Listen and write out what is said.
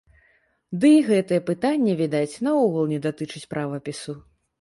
Дый гэтае пытанне, відаць, наогул не датычыць правапісу.